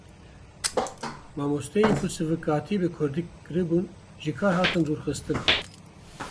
Mamosteyên ku sivikatî bi Kurdî kiribûn ji kar hatin dûrxistin.